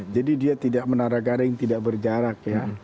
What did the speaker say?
jadi dia tidak menara garing tidak berjarak ya